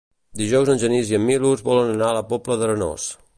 Dijous en Genís i en Milos volen anar a la Pobla d'Arenós.